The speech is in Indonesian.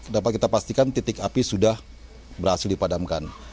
dapat kita pastikan titik api sudah berhasil dipadamkan